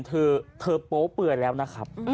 เธอโป๊เปื่อยแล้วนะครับ